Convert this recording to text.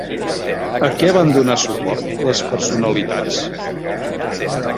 A què van donar suport les personalitats?